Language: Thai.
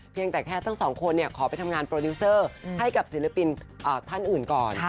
แต่แค่ทั้งสองคนขอไปทำงานโปรดิวเซอร์ให้กับศิลปินท่านอื่นก่อน